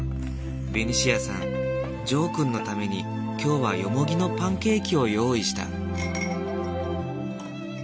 ベニシアさんジョーくんのためにきょうはよもぎのパンケーキを用意した。